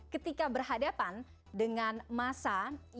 ketika berhadapan dengan masa